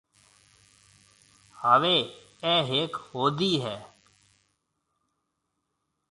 هاوَي اَي هيڪ هودَي هيَ۔